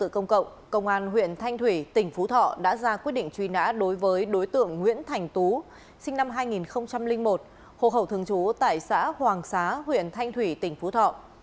công an huyện thanh thủy tỉnh phú thọ đã ra quyết định truy nã đối với đối tượng nguyễn thành tú sinh năm hai nghìn một hồ khẩu thường trú tại xã hoàng xá huyện thanh thủy tỉnh phú thọ